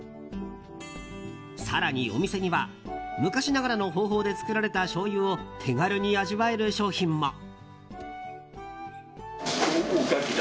更に、お店には昔ながらの方法で造られたしょうゆを手軽に味わえる商品も。